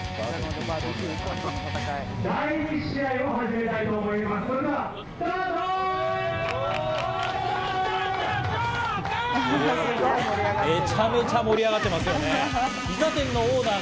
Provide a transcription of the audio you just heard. めちゃめちゃ盛り上がってますよね。